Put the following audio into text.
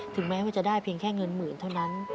แม้ว่าจะได้เพียงแค่เงินหมื่นเท่านั้น